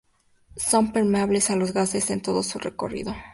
Son permeables a los gases en todo su recorrido.